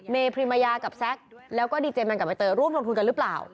เมย์พรีมายากับแซคแล้วก็ดีเจมันกับไอเตอร์ร่วมลงทุนกันหรือเปล่า